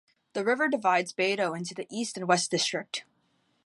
The river divides Bato into the east and west district.